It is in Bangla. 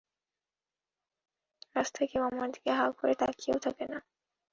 রাস্তায় কেউ আমার দিকে হাঁ করে তাকিয়েও থাকে না।